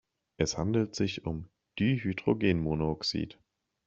Es handelt sich um Dihydrogenmonoxid.